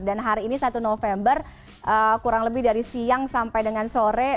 dan hari ini satu november kurang lebih dari siang sampai dengan sore